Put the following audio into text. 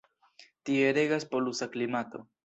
Tie regas polusa klimato.